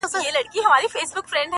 دکرم سیوری چي دي وسو پر ما,